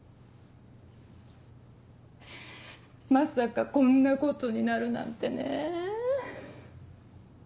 まさかこんなことになるなんてねぇ。